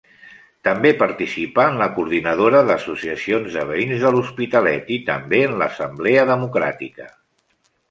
També participà en la Coordinadora d'Associacions de Veïns de l'Hospitalet, i també en l'Assemblea Democràtica.